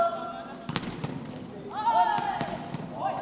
สุดท้ายสุดท้ายสุดท้าย